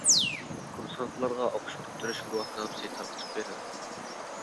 كۇرسانتلارغا ئوقۇش پۈتتۈرۈش گۇۋاھنامىسى تارقىتىپ بېرىلدى.